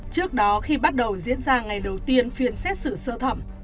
trước đó khi bắt đầu diễn ra ngày đầu tiên phiên xét xử sơ thẩm